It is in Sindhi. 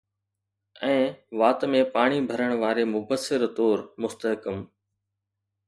۽ وات ۾ پاڻي ڀرڻ واري مبصر طور مستحڪم